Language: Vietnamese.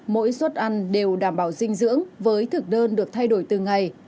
mỗi suất ăn đều đảm bảo dinh dưỡng với thực đơn được thay đổi từng ngày